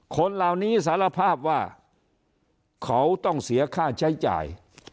คนเหล่านี้สารภาพว่าเขาต้องเสียค่าใช้จ่าย